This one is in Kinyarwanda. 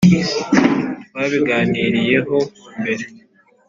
twabiganiriyeho mbere.